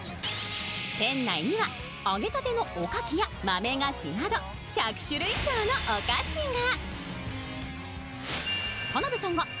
店内には揚げたてのおかきや豆菓子など１００種類以上のお菓子が。